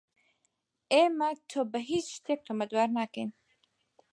ئێمە تۆ بە هیچ شتێک تۆمەتبار ناکەین.